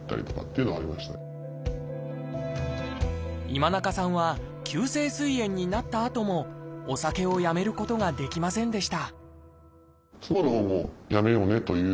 今中さんは急性すい炎になったあともお酒をやめることができませんでした